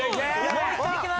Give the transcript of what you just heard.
もう一回いきます！